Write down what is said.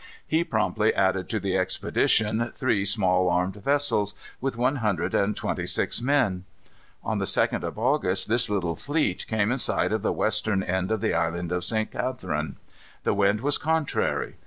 He promptly added to the expedition three small armed vessels, with one hundred and twenty six men. On the 2d of August this little fleet came in sight of the western end of the Island of St. Catharine. The wind was contrary.